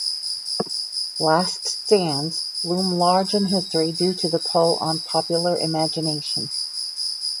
Last stands loom large in history due to the pull on popular imagination.